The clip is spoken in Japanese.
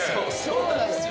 そうなんすよ。